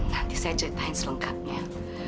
nanti saya ceritain selengkapnya